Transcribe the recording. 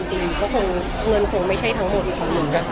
จริงเพราะว่าเงินคงไม่ใช่ทั้งหมดอีกของมัน